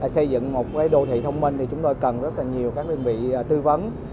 xây dựng một đô thị thông minh chúng tôi cần rất nhiều đơn vị tư vấn